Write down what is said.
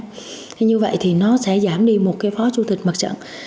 thế như vậy thì nó sẽ giảm đi một cái phó chủ tịch mặt trận